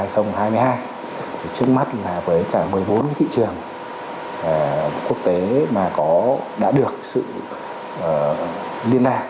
trước mắt là với cả một mươi bốn thị trường quốc tế mà đã được sự liên lạc